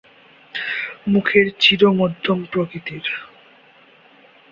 মুখের চির মধ্যম প্রকৃতির।